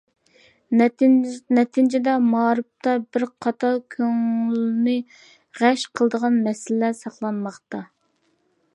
نەتىجىدە مائارىپتا بىر قاتار كۆڭۈلنى غەش قىلىدىغان مەسىلىلەر ساقلانماقتا.